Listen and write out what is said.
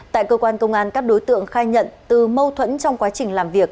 tại cơ quan công an các đối tượng khai nhận từ mâu thuẫn trong quá trình làm việc